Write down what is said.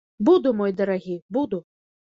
Буду, мой дарагі, буду.